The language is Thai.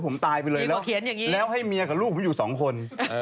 ผมตายไปเลยแล้วให้เมียกับลูกผมอยู่สองคน